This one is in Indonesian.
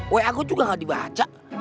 wa aku juga gak dibaca